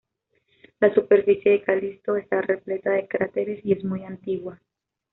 La superficie de Calisto está repleta de cráteres y es muy antigua.